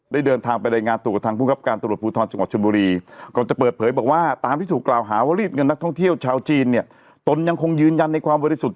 ได้เดินทางไปดายงานตัว